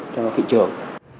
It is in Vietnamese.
cho thị trường